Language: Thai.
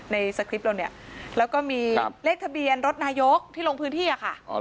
สคริปต์เราเนี่ยแล้วก็มีเลขทะเบียนรถนายกที่ลงพื้นที่อะค่ะ